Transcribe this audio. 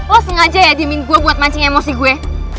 lo sengaja ya dimin gue buat mancing emosi gue